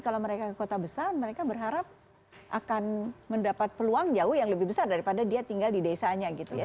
kalau mereka ke kota besar mereka berharap akan mendapat peluang jauh yang lebih besar daripada dia tinggal di desanya gitu ya